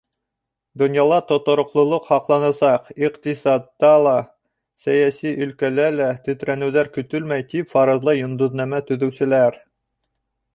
Донъяла тотороҡлолоҡ һаҡланасаҡ, иҡтисадта ла, сәйәси өлкәлә лә тетрәнеүҙәр көтөлмәй, тип фаразлай йондоҙнамә төҙөүселәр.